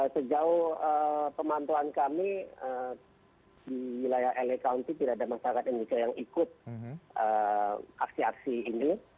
sejauh pemantuan kami di wilayah lccounty tidak ada masyarakat indonesia yang ikut aksi aksi ini